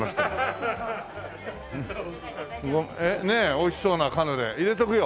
美味しそうなカヌレ入れとくよ。